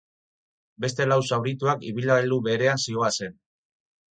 Beste lau zaurituak ibilgailu berean zihoazen.